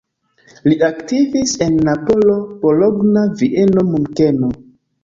Li aktivis en Napolo, Bologna, Vieno, Munkeno.